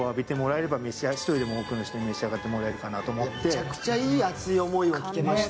めちゃくちゃいい熱い思いを聞けました。